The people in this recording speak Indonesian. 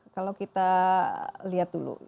kalau kita lihat dulu